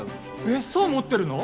別荘持ってるの？